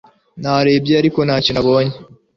Narebye ariko ntacyo nabonye